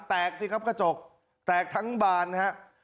แตกซิครับกระจกแตกทั้งบานครับ